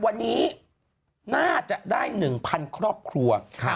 วันนี้น่าจะได้๑๐๐๐ครอบครัว